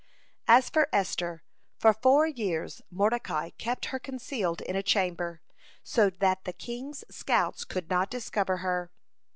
As for Esther, for four years Mordecai kept her concealed in a chamber, so that the king's scouts could not discover her.